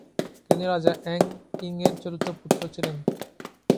তিনি রাজা অ্যাং ইং-এর চতুর্থ পুত্র ছিলেন।